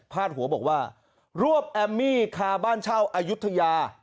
หัวบอกว่ารวบแอมมี่คาบ้านเช่าอายุทยา